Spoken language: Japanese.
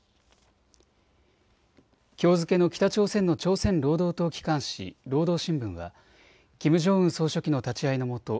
きょう付けの北朝鮮の朝鮮労働党機関紙、労働新聞はキム・ジョンウン総書記の立ち会いのもと